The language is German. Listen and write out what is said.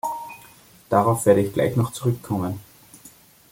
Darauf werde ich gleich noch zurückkommen.